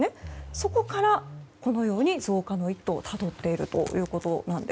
そこからこのように増加の一途をたどっているということなんです。